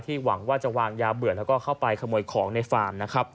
ที่หวังว่าจะวางยาเปิดแล้วก็เข้าไปขโมยของในฟาร์ม